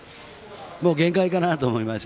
もう限界かなと思いまして。